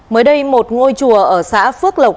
mới đây một ngôi chùa ở xã phước lộc